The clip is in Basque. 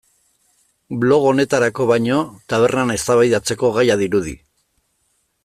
Blog honetarako baino tabernan eztabaidatzeko gaia dirudi.